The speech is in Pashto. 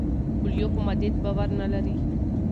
کویلیو په مادیت باور نه لري.